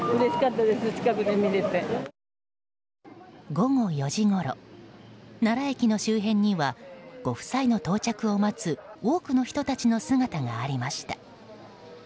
午後４時ごろ奈良駅の周辺にはご夫妻の到着を待つ多くの人たちの姿がありました。